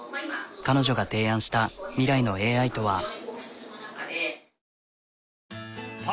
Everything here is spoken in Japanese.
彼女が提案した未来のＡＩとは？